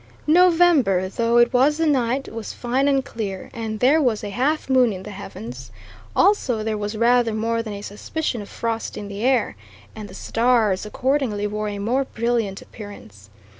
November though it was the night was fine and clear, and there was a half moon in the heavens; also there was rather more than a suspicion of frost in the air, and the stars, accordingly, wore a more brilliant appearance.